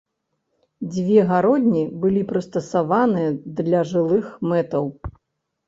Дзве гародні былі прыстасаваныя для жылых мэтаў.